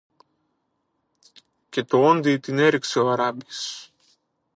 Και τωόντι την έριξε ο Αράπης